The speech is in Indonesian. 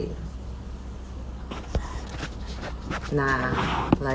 saya sedang ingin mencari seseorang yang telah membuat ini terjadi